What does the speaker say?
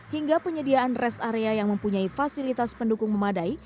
hingga penyediaan rest area yang mempunyai fasilitas pendukung memadai